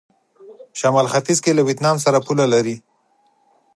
شمال ختيځ کې له ویتنام سره پوله لري.